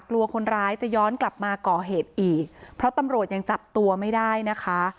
กลัวคนร้ายจะย้อนกลับมาก่อเหตุอีกเพราะตำรวจยังจับตัวไม่ได้นะคะ